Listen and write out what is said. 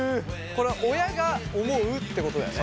これ親が思うってことだよね？